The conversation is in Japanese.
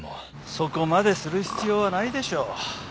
そこまでする必要はないでしょう。